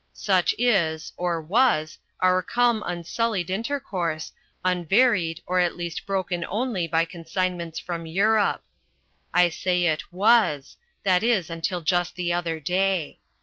Such is or was our calm unsullied intercourse, unvaried or at least broken only by consignments from Europe. I say it was, that is until just the other day.